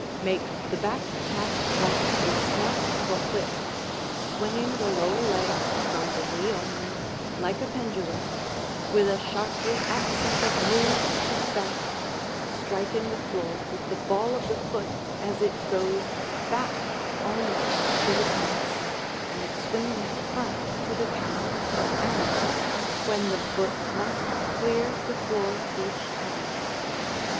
Make the back tap like the snap of a whip, swinging the lower leg from the knee only, like a pendulum, with a sharply accented move to back, striking the floor with the ball of the foot as it goes back only to the counts, and swinging it front to the count of "and" when the foot must clear the floor each time.